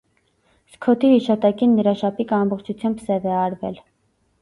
Սքոթի հիշատակին նրա շապիկը ամբողջությամբ սև է արվել։